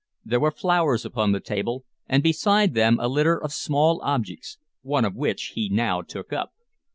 There were flowers upon the table, and beside them a litter of small objects, one of which he now took up.